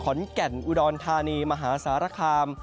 ขอนแก่นอุดรธานีมหาสารคาม